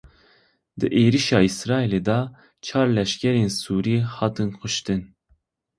Di êrişa Îsraîlê de çar leşkerên Sûrî hatin kuştin.